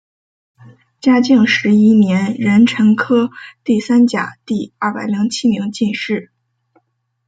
嘉靖十一年壬辰科第三甲第二百零七名进士。